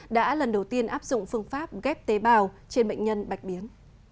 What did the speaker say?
đã lần đầu tiên áp dụng phương pháp ghép tế bào trên bệnh nhân bạch biến